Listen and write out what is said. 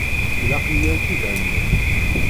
Ilaq-yi ad k-id-henniɣ.